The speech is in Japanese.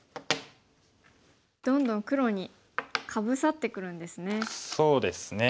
どんどん黒にかぶさってくるんですね。